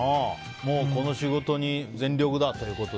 この仕事に全力だということで？